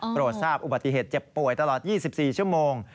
ตรวจทราบอุบัติเหตุเจ็บป่วยตลอด๒๔ชั่วโมง